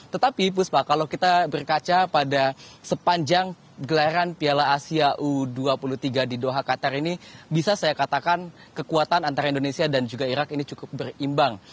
tetapi puspa kalau kita berkaca pada sepanjang gelaran piala asia u dua puluh tiga di doha qatar ini bisa saya katakan kekuatan antara indonesia dan juga irak ini cukup berimbang